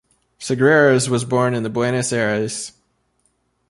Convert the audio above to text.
Sagreras was born in Buenos Aires.